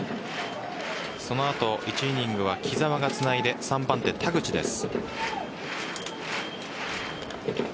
その後１イニングは木澤がつないで３番手・田口です。